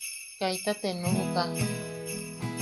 Kaita te nuʼuka.